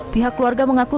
pihak keluarga mengakui